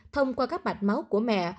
thông qua các mạch máu của mẹ